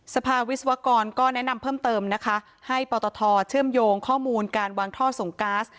สภาวิศวกรก็แนะนำเพิ่มเติมนะคะให้ปตทเชื่อมโยงข้อมูลการวางท่อส่งก๊าซ